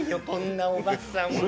こんなおばさん